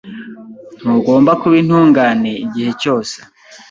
Ntugomba kuba intungane igihe cyose.